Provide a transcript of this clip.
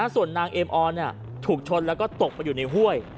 ส่วนนางเอมออนถูกชนแล้วก็ตกไปอยู่ในห้วย